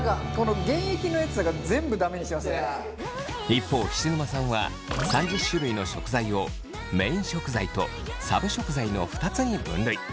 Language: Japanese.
一方菱沼さんは３０種類の食材をメイン食材とサブ食材の２つに分類。